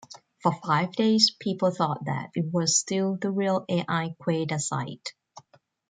For five days, people thought that it was still the real Al Qaeda site.